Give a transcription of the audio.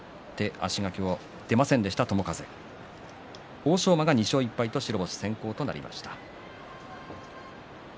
欧勝馬が２勝１敗と白星１つ先行となりました。